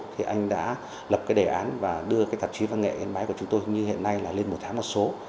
thì anh đã lập đề án và đưa tạp chí văn nghệ ấn bái của chúng tôi như hiện nay lên một tháng một số